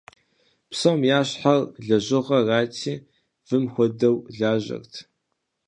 Псом ящхьэр лэжьыгъэрати, вым хуэдэу лажьэрт.